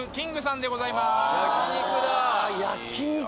焼肉だ。